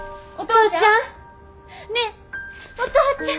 お父ちゃん！